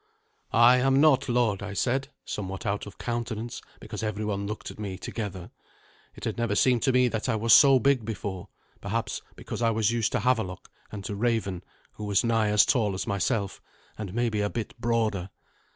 "I am not, lord," I said, somewhat out of countenance, because every one looked at me together. It had never seemed to me that I was so big before; perhaps because I was used to Havelok, and to Raven, who was nigh as tall as myself, and maybe a bit broader.